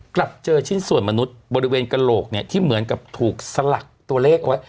กลับเจอชิ้นส่วนมนุษย์บริเวณกระโหลกที่เหมือนกับถูกสลักตัวเลขไว้